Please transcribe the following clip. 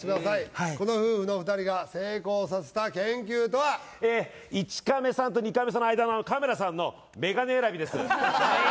はいこの夫婦の２人が成功させた研究とは１カメさんと２カメさんの間のカメラさんのメガネ選びです